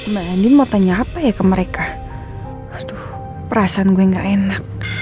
mbak andi mau tanya apa ya ke mereka